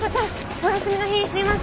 お休みの日にすみません。